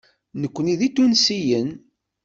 Nekkni d Itunsiyen.